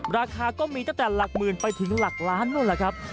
ราคาก็มีตั้งแต่หลักหมื่นไปถึงหลักล้านนู่นล่ะครับ